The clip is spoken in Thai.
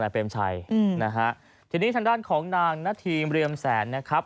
เปรมชัยนะฮะทีนี้ทางด้านของนางนาธีมเรือมแสนนะครับ